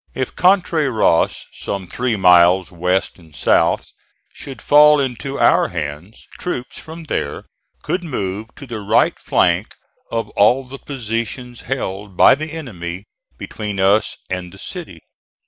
If Contreras, some three miles west and south, should fall into our hands, troops from there could move to the right flank of all the positions held by the enemy between us and the city.